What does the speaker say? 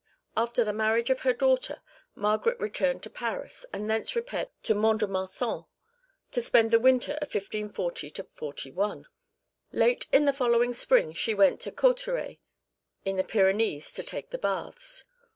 (1) After the marriage of her daughter Margaret returned to Paris, and thence repaired to Mont de Marsan to spend the winter of 1540 41. Late in the following spring she went to Cauterets in the Pyrenees to take the baths.